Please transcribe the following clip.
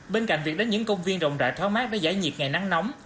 bên cạnh việc đến những công viên rộng rãi thoá mát để giải nhiệt ngày nắng nóng